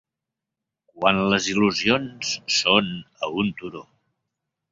Quan les il·lusions són a un turó